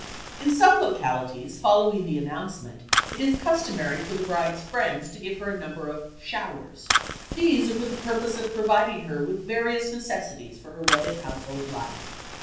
In some localities, following the announcement, it is customary for the bride's friends, to give for her a number of "showers." These are for the purpose of providing her with various necessities for her wedded household life.